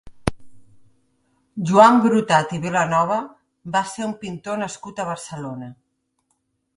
Joan Brotat i Vilanova va ser un pintor nascut a Barcelona.